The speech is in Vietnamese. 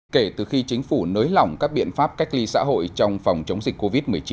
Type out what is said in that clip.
kể từ khi chính phủ nới lỏng các biện pháp cách ly xã hội trong phòng chống dịch covid một mươi chín